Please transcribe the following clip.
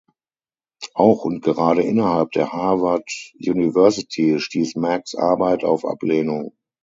Auch und gerade innerhalb der Harvard University stieß Macks Arbeit auf Ablehnung.